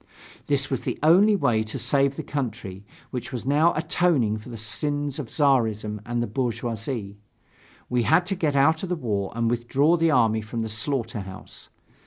This was the only way to save the country, which was now atoning for the sins of Czarism and the bourgeoisie. We had to get out of the war and withdraw the army from the slaughter house.